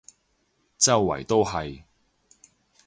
周圍都係